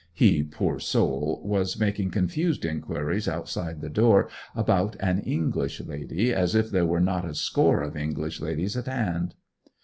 (He, poor soul, was making confused inquiries outside the door about 'an English lady,' as if there were not a score of English ladies at hand.)